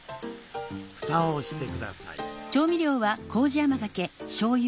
蓋をしてください。